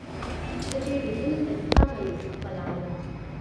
د تېرېدنې طريقه به يې خپلوله.